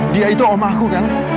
dia itu omah aku kan